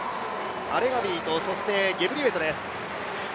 アレガウィとゲブリウェトです。